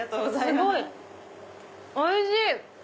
すごいおいしい！